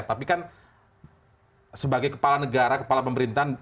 tapi kan sebagai kepala negara kepala pemerintahan